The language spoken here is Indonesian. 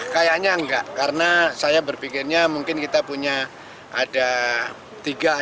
kayaknya enggak karena saya berpikirnya mungkin kita punya ada tiga ya